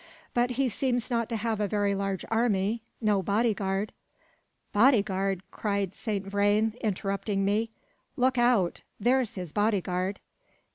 "But he seems not to have a very large army; no bodyguard " "Bodyguard!" cried Saint Vrain, interrupting me; "look out! there's his bodyguard!"